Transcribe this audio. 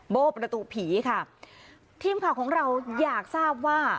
โบ้ประตูผีค่ะทีมข่าวของเราอยากทราบว่า